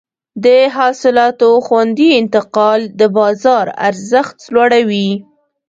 د حاصلاتو خوندي انتقال د بازار ارزښت لوړوي.